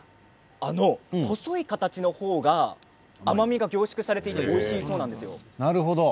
細い形の方が甘みが凝縮されていておいしいそうです。